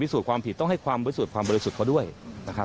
สูจนความผิดต้องให้ความบริสุทธิ์ความบริสุทธิ์เขาด้วยนะครับ